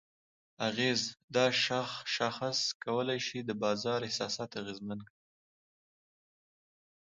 اغېز: دا شاخص کولی شي د بازار احساسات اغیزمن کړي؛